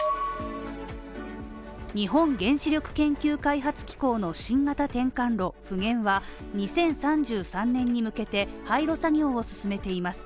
日本原子力研究開発機構の新型転換炉ふげんは２０３３年に向けて、廃炉作業を進めています。